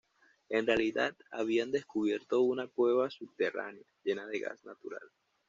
En realidad, habían descubierto una cueva subterránea llena de gas natural.